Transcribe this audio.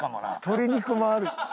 鶏肉もある。